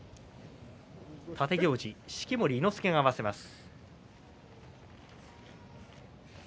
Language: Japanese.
立行司、式守伊之助が合わせます。